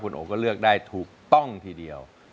โอก็เลือกได้ถูกต้องทีเดียว